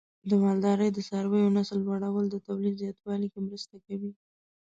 د مالدارۍ د څارویو نسل لوړول د تولید زیاتوالي کې مرسته کوي.